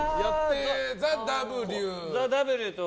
「ＴＨＥＷ」と。